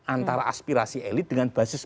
antara aspirasi elit dengan basis